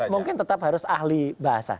mungkin tetap harus ahli bahasa